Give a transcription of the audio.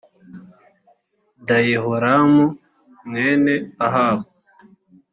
da yehoramu mwene ahabu